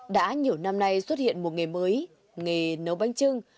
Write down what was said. đã nhiều năm nay xuất hiện một nghề mới nghề nấu bánh trưng